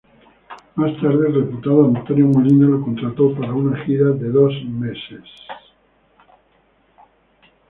Más tarde, el reputado Antonio Molina lo contrató para una gira de dos meses.